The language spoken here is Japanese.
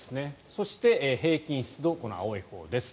そして、平均湿度この青いほうです。